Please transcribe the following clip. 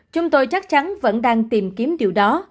chúng tôi chắc chắn vẫn đang tìm kiếm điều đó